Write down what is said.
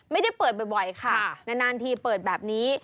ไม่ได้เปิดบ่อยค่ะนานทีเปิดแบบนี้